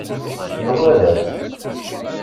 Nwala-tt.